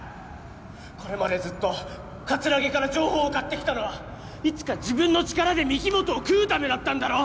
これまでずっと桂木から情報を買ってきたのはいつか自分の力で御木本を喰うためだったんだろ！？